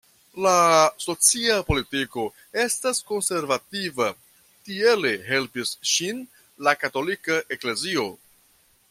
La socia politiko estas konservativa, tiele helpis ŝin la Katolika eklezio.